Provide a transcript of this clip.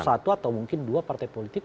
satu atau mungkin dua partai politik